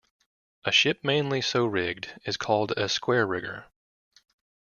A ship mainly so rigged is called a square-rigger.